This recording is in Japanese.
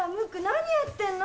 何やってんの？